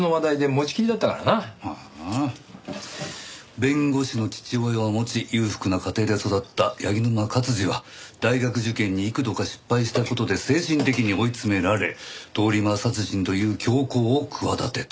「弁護士の父親を持ち裕福な家庭で育った柳沼勝治は大学受験に幾度か失敗したことで精神的に追い詰められ通り魔殺人という凶行を企てた」